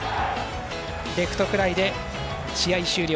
レフトフライで試合終了。